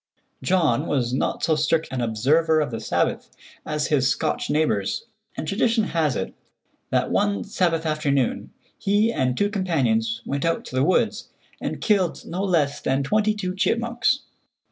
John was not so strict an observer of the Sabbath as his Scotch neighbors, and tradition has it that one Sabbath afternoon he and two companions went out to the woods and killed no less than twenty two chipmunks.